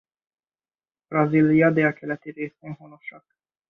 Brazília délkeleti részén honosak.